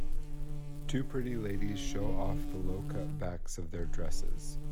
Two pretty ladies show off the low cut backs of their dresses